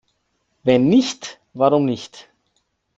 Wenn nicht, warum nicht?